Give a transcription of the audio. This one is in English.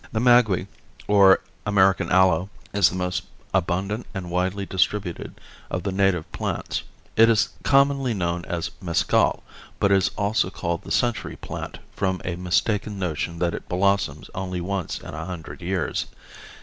The maguey, or American aloe, is the most abundant and widely distributed of the native plants. It is commonly known as mescal, but is also called the century plant from a mistaken notion that it blossoms only once in a hundred years.